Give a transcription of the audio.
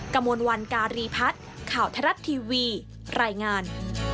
กระมวลวันการีพัฒน์ข่าวทรัฐทีวีรายงาน